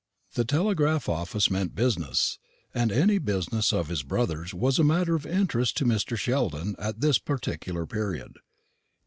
The telegraph office meant business; and any business of his brother's was a matter of interest to Mr. Sheldon at this particular period.